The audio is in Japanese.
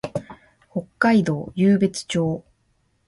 北海道湧別町